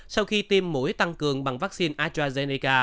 sau khi tiêm mũi tăng cường bằng vaccine astrazeneca